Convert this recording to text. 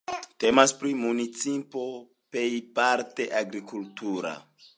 Temas pri municipo pejparte agrikultura.